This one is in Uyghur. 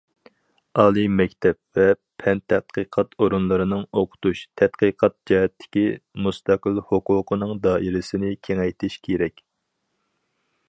ئالىي مەكتەپ ۋە پەن تەتقىقات ئورۇنلىرىنىڭ ئوقۇتۇش، تەتقىقات جەھەتتىكى مۇستەقىل ھوقۇقىنىڭ دائىرىسىنى كېڭەيتىش كېرەك.